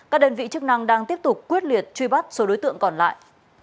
các đơn vị chức năng đang tiếp tục quyết liệt truy bắt số đối tượng còn lại